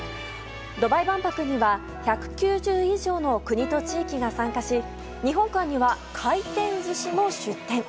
ドバイ万博には１９０以上の国と地域が参加し日本館には回転寿司も出店。